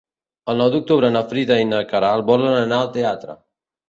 El nou d'octubre na Frida i na Queralt volen anar al teatre.